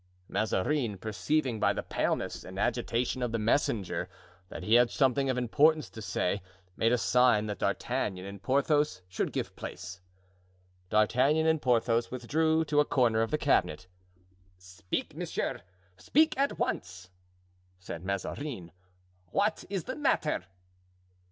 Mazarin, perceiving by the paleness and agitation of the messenger that he had something of importance to say, made a sign that D'Artagnan and Porthos should give place. D'Artagnan and Porthos withdrew to a corner of the cabinet. "Speak, monsieur, speak at once!" said Mazarin "What is the matter?"